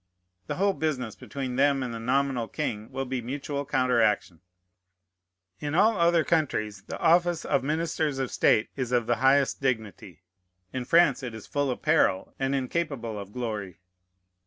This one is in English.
The whole business between them and the nominal king will be mutual counteraction. In all other countries the office of ministers of state is of the highest dignity. In France it is full of peril, and incapable of glory.